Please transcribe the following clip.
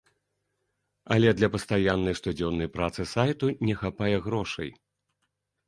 Але для пастаяннай штодзённай працы сайту не хапае грошай.